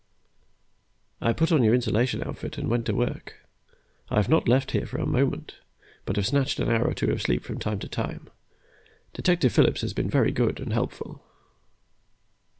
"I put on your insulation outfit, and went to work. I have not left here for a moment, but have snatched an hour or two of sleep from time to time. Detective Phillips has been very good and helpful.